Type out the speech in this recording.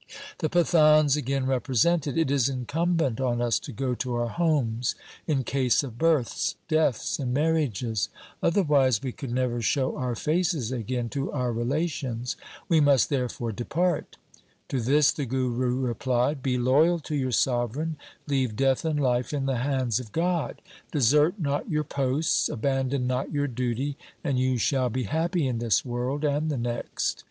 The Pathans again represented :' It is incumbent on us to go to our homes in case of births, deaths, and marriages. Otherwise we could never show our faces again to our relations. We must therefore depart.' To this the Guru replied, ' Be loyal to your sovereign ; leave death and life in the hands of God. Desert not your posts, abandon not your duty, and you shall be happy in this world and the next.